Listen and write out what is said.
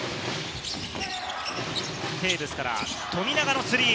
テーブスから富永のスリー！